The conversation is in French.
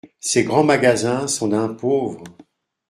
Ces grands magasins sont d'un pauvre !